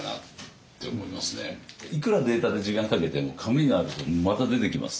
いくらデータで時間かけても紙になるとまた出てきます。